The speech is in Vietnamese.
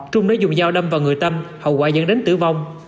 trung đã dùng dao đâm vào người tâm hậu quả dẫn đến tử vong